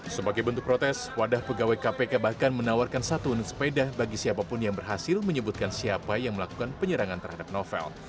sebagai bentuk protes wadah pegawai kpk bahkan menawarkan satu unit sepeda bagi siapapun yang berhasil menyebutkan siapa yang melakukan penyerangan terhadap novel